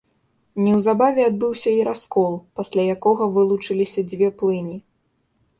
Неўзабаве адбыўся і раскол, пасля якога вылучыліся дзве плыні.